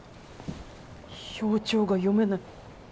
表情が読めない。